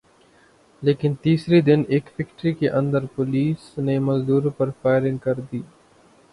لیکن تیسرے دن ایک فیکٹری کے اندر پولیس نے مزدوروں پر فائرنگ کر دی